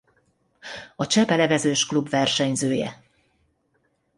A Csepel Evezős Klub versenyzője.